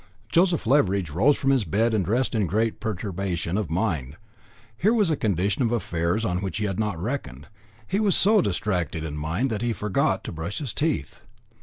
Joseph Leveridge rose from his bed and dressed in great perturbation of mind. Here was a condition of affairs on which he had not reckoned. He was so distracted in mind that he forgot to brush his teeth.